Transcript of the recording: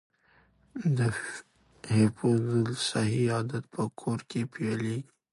د حفظ الصحې عادات په کور کې پیل کیږي.